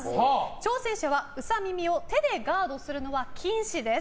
挑戦者はウサ耳を手でガードするのは禁止です。